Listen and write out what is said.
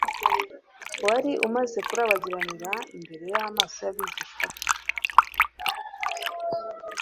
wari umaze kurabagiranira imbere y'amaso y'abigishwa be,